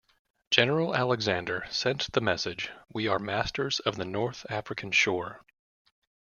General Alexander sent the message, We are masters of the North African shore.